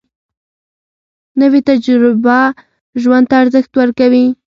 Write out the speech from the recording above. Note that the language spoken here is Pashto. نوې تجربه ژوند ته ارزښت ورکوي